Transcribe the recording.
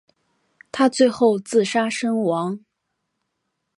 他最后自杀身亡。